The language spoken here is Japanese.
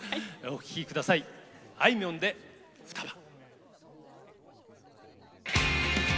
お聴きくださいあいみょんで「双葉」。